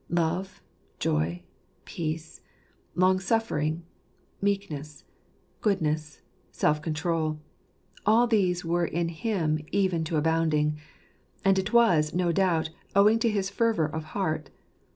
Love, joy, peace, long suffering, meekness, goodness, self control, all these were in him even to abounding. And it was, no doubt, owing to his fervour of heart.